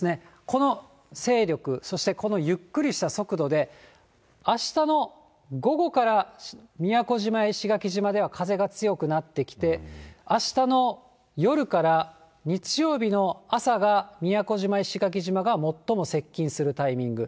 この勢力、そしてこのゆっくりした速度で、あしたの午後から、宮古島や石垣島では風が強くなってきて、あしたの夜から日曜日の朝が宮古島、石垣島が最も接近するタイミング。